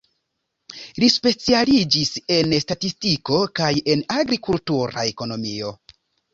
Li specialiĝis en statistiko kaj en agrikultura ekonomio.